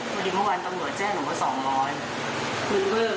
เมื่อดีเมื่อวานตำรวจแจ้งหนูว่าสองร้อยคุณเวิร์ดอ๋อ